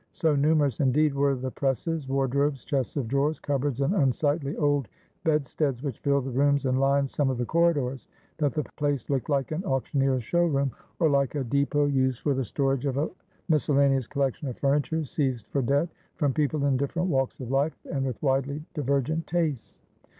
So numerous, indeed, were the presses, wardrobes, chests of drawers, cupboards, and unsightly old bedsteads which filled the rooms and lined some of the corridors, that the place looked like an auctioneer's showroom, or like a depot used for the storage of a miscellaneous collection of furniture seized for debt, from people in different walks of life and with widely divergent tastes.